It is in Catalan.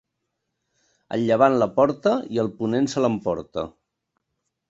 El llevant la porta i el ponent se l'emporta.